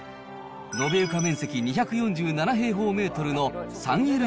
延べ床面積２４７平方メートルの３ＬＤＫ。